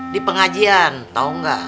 di pengajian tau gak